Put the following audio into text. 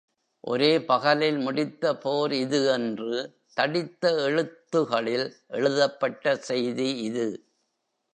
ஒரே பகலில் முடித்த போர் இது என்று தடித்த எழுத்துகளில் எழுதப்பட்ட செய்தி இது.